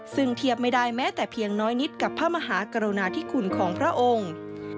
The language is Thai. ซึ่งเทียบไม่ได้แม้แต่เพียงน้อยนิดกับพระมหากรุณาธิคุณของพระองค์